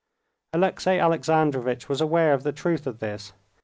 Alexey Alexandrovitch was aware of the truth of this.